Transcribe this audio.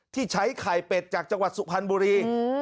ที่ใช้ไข่เป็ดจากจังหวัดสุพรรณบุรี